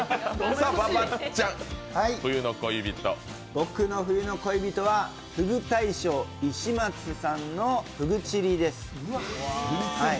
僕の冬の恋人はふぐ大将いし松さんのふぐちりです。